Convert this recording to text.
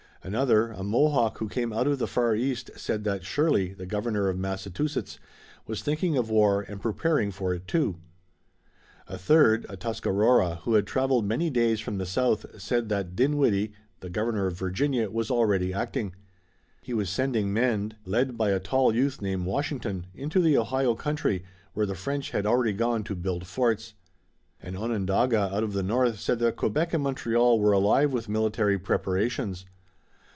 Another, a Mohawk who came out of the far east, said that Shirley, the Governor of Massachusetts, was thinking of war and preparing for it too. A third, a Tuscarora, who had traveled many days from the south, said that Dinwiddie, the Governor of Virginia, was already acting. He was sending men, led by a tall youth named Washington, into the Ohio country, where the French had already gone to build forts. An Onondaga out of the north said that Quebec and Montreal were alive with military preparations.